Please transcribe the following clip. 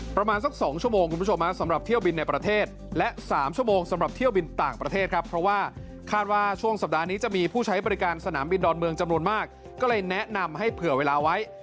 ประมาณ๒ชั่วโมงสำหรับเที่ยวบินในประเทศและ๓ชั่วโมงสำหรับเที่ยวบินต่างประเทศครับเพราะว่าข้ามนี้จะมีผู้ใช้บริการต่อเมืองมากจากนี้ก็เลยแนะนำให้เผื่อเวลาไว้